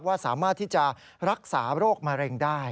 สามารถที่จะรักษาโรคมะเร็งได้